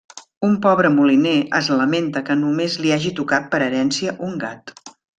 Un pobre moliner es lamenta que només li hagi tocat per herència un gat.